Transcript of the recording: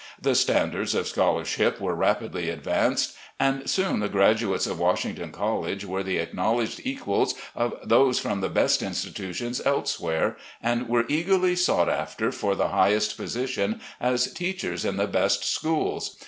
The standards of scholar ship were rapidly advanced; and soon the graduates of Washington College were the acknowledged equals of those from the best institutions elsewhere, and were eagerly sought after for the highest positions as teachers in the best schools.